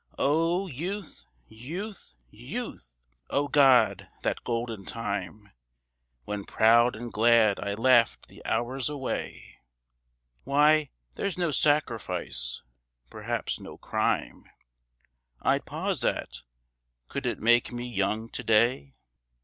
"O youth, youth, youth! O God! that golden time, When proud and glad I laughed the hours away. Why, there's no sacrifice (perhaps no crime) I'd pause at, could it make me young to day.